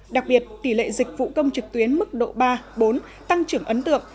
đặc biệt tỷ lệ dịch vụ công trực tuyến mức độ ba bốn tăng trưởng ấn tượng